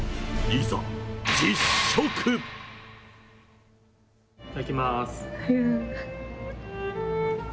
いただきます。